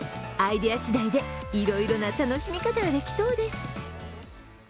アイデア次第でいろいろな楽しみ方ができそうです。